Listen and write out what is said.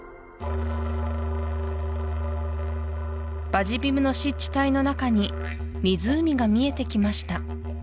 バジ・ビムの湿地帯のなかに湖が見えてきました